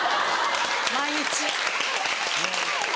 毎日。